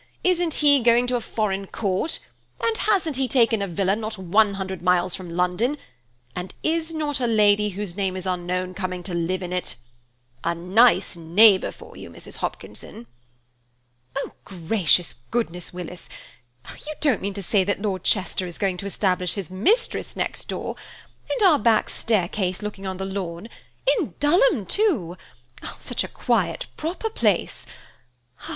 Isn't he going to a foreign court? and hasn't he taken a villa not one hundred miles from London–and is not a lady whose name is unknown coming to live in it? A nice neighbour for you, Mrs. Hopkinson." "Oh, gracious goodness, Willis, you don't mean to say that Lord Chester is going to establish his mistress next door, and our back staircase looking on the lawn–in Dulham too! Such a quiet, proper place!